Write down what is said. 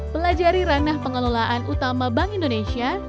pelajari ranah pengelolaan utama bank indonesia